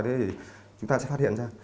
thì chúng ta sẽ phát hiện ra